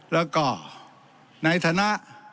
แล้วก็ในฐานะ